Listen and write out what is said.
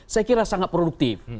saya kira sangat produktif